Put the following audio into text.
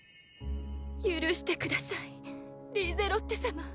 許してくださいリーゼロッテ様。